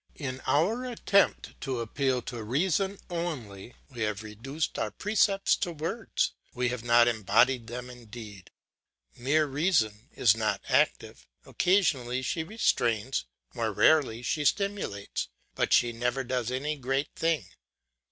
In our attempt to appeal to reason only, we have reduced our precepts to words, we have not embodied them in deed. Mere reason is not active; occasionally she restrains, more rarely she stimulates, but she never does any great thing.